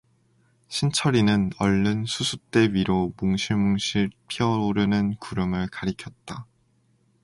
신철이는 얼른 수숫대 위로 뭉실뭉실 피어오르는 구름을 가리켰다.